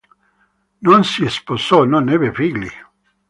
Non si sposò, non ebbe figli.